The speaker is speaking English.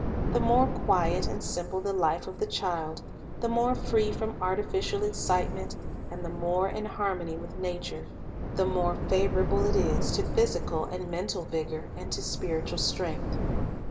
The more quiet and simple the life of the child, — the more free from artificial excitement and the more in harmony with nature, — the more favorable it is to ohysical and mental vigor and to spiritual strength.